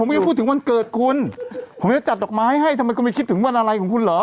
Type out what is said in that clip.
ไม่ได้พูดถึงวันเกิดคุณผมจะจัดดอกไม้ให้ทำไมคุณไม่คิดถึงวันอะไรของคุณเหรอ